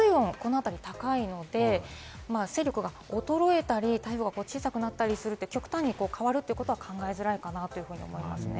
海水温、この辺りは高いので勢力が衰えたり、台風が小さくなったりする、極端に変わったりすることは考えづらいかなと思いますね。